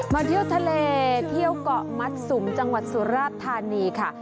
เที่ยวทะเลเที่ยวเกาะมัดสุมจังหวัดสุราชธานีค่ะ